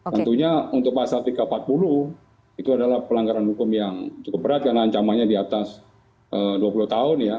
tentunya untuk pasal tiga ratus empat puluh itu adalah pelanggaran hukum yang cukup berat karena ancamannya di atas dua puluh tahun ya